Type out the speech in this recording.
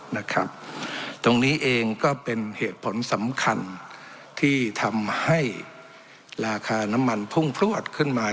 นะครับตรงนี้เองก็เป็นเหตุผลสำคัญที่ทำให้ราคาน้ำมันพุ่งพลวดขึ้นมา